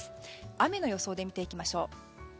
雨の予想で見ていきましょう。